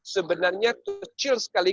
sebenarnya kecil sekali